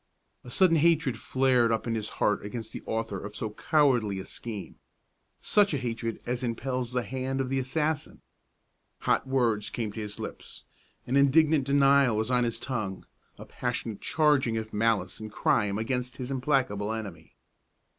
A sudden hatred flared up in his heart against the author of so cowardly a scheme, such a hatred as impels the hand of the assassin. Hot words came to his lips; an indignant denial was on his tongue, a passionate charging of malice and crime against his implacable enemy.